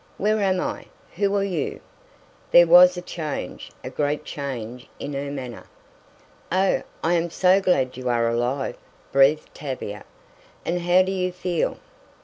"Where am I? Who are you?" There was a change a great change in her manner. "Oh, I am so glad you are alive!" breathed Tavia. "And how do you feel?"